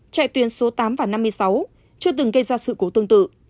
chạy tuyến số tám và năm mươi sáu chưa từng gây ra sự cố tương tự